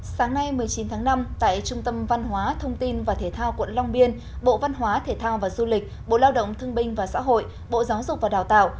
sáng nay một mươi chín tháng năm tại trung tâm văn hóa thông tin và thể thao quận long biên bộ văn hóa thể thao và du lịch bộ lao động thương binh và xã hội bộ giáo dục và đào tạo